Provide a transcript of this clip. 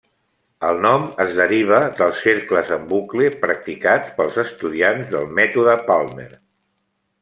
El nom es deriva dels cercles en bucle practicats pels estudiants del mètode Palmer.